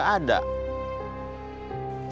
sama yang narik iuran ke pedagang